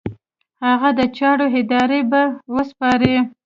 هغه د چارو اداره به وسپاري.